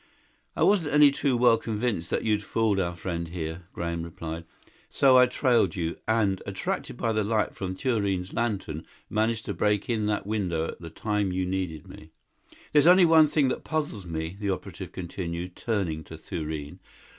"I wasn't any too well convinced that you'd fooled our friend here," Graham replied. "So I trailed you, and, attracted by the light from Thurene's lantern, managed to break in that window at the time you needed me." "There's only one thing that puzzles me," the operative continued, turning to Thurene.